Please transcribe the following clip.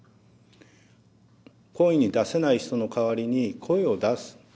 声に出せない人の代わりに声を出す。